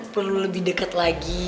gue tuh perlu lebih deket lagi